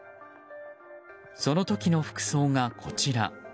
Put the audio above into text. その時の服装がこちら。